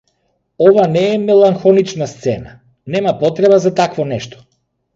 Ова не е меланхолична сцена, нема потреба за такво нешто.